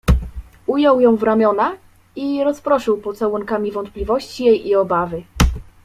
"Ujął ją w ramiona i rozproszył pocałunkami wątpliwości jej i obawy."